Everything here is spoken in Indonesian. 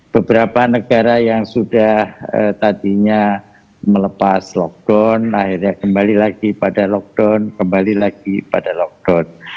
beberapa negara yang sudah tadinya melepas lockdown akhirnya kembali lagi pada lockdown kembali lagi pada lockdown